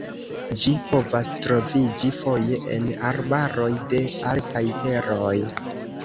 Ĝi povas troviĝi foje en arbaroj de altaj teroj.